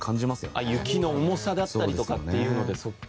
雪の重さだったりとかっていうのでそっか。